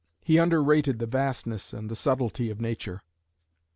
He underrated the vastness and the subtlety of nature.